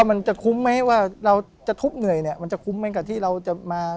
มันจะคุ้มไหมว่าเราจะทุบเหนื่อยเนี่ยมันจะคุ้มไหมกับที่เราจะมา